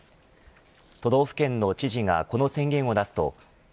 都道府県の知事がこの宣言を出すとＢＡ．